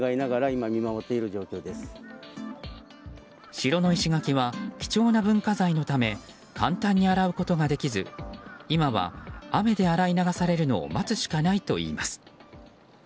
城の石垣は貴重な文化財のため簡単に洗うことができず今は雨で洗い流されるのを待つしかないといいます。